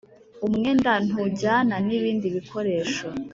umwenda ntujyana nibindi bikoresho.